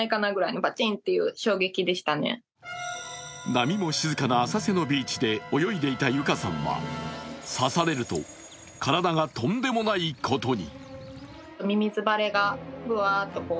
波も静かな浅瀬のビーチで泳いでいたゆかさんは刺されると、体がとんでもないことに。